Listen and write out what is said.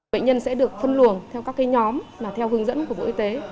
bệnh nhân sẽ được phân luồng theo các nhóm theo hướng dẫn của bộ y tế